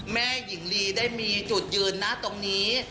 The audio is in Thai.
แม่หญิงลีได้มีจุดยืนนะตรงนี้